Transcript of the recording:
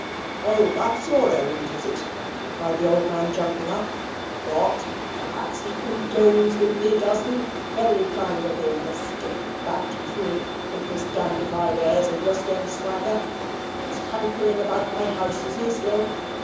"O, THAT'S your errand, is it?" cried the old man, jumping up. "What! perhaps he condoles with me, does he? Very kind of him, the stiff backed prig, with his dandified airs and West End swagger. He's hankering about my house, is he still?